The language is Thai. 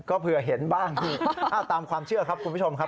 ก็เผื่อเห็นบ้างตามความเชื่อครับคุณผู้ชมครับ